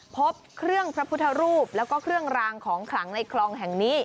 พบเครื่องพระพุทธรูปแล้วก็เครื่องรางของขลังในคลองแห่งนี้